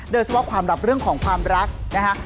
โดยเฉพาะความลับเรื่องของความรักนะคะ